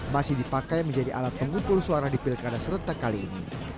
masih dipakai menjadi alat pengumpul suara di pilkada serentak kali ini